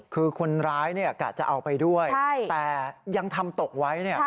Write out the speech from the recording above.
คือคนร้ายกะจะเอาไปด้วยแต่ยังทำตกไว้